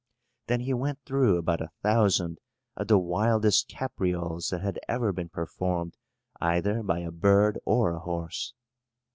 Then he went through about a thousand of the wildest caprioles that had ever been performed either by a bird or a horse.